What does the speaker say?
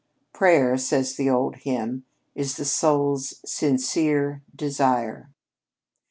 "'Prayer,' says the old hymn, 'is the soul's sincere desire.'